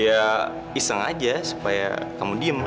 ya iseng aja supaya kamu diem